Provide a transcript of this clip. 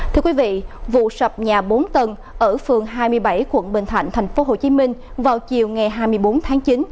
thưa quý vị vụ sập nhà bốn tầng ở phường hai mươi bảy quận bình thạnh tp hcm vào chiều ngày hai mươi bốn tháng chín